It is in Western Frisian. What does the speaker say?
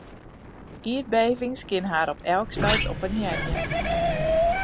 Ierdbevings kinne har op elk stuit oppenearje.